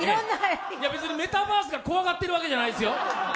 別にメタバースが怖がっているわけじゃないですよ。